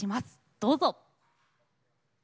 どうぞ。